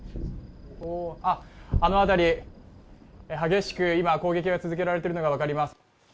あの辺り、激しく今、攻撃が続けられているのが分かります。